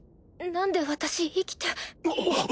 何で私生きて。